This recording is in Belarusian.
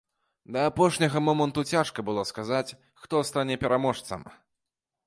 Да апошняга моманту цяжка было сказаць, хто стане пераможцам.